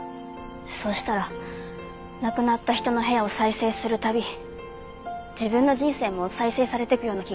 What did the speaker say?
そしたら亡くなった人の部屋を再生する度自分の人生も再生されてくような気がして。